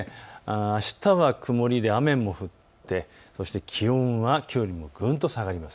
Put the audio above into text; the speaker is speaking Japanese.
あしたは曇りで雨も降って、気温はきょうよりも下がります。